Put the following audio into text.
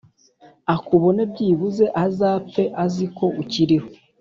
akubone byibuze azapfe aziko ukiriho